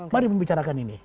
mari membicarakan ini